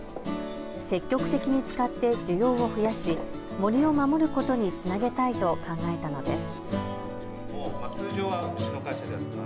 積極的に使って需要を増やし、森を守ることにつなげたいと考えたのです。